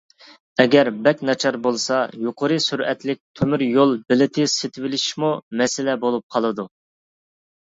ئەگەر بەك ناچار بولسا، يۇقىرى سۈرئەتلىك تۆمۈر يول بېلىتى سېتىۋېلىشمۇ مەسىلە بولۇپ قالىدۇ.